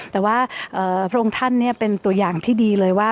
แต่ว่าพระองค์ท่านเป็นตัวอย่างที่ดีเลยว่า